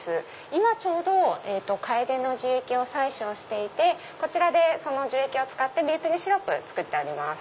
今ちょうどカエデの樹液の採取をしていてこちらでその樹液を使ってメープルシロップ作ってます。